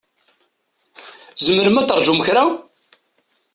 Tzemrem ad terǧum kra?